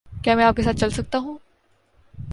کیا میں آپ کے ساتھ چل سکتا ہوں؟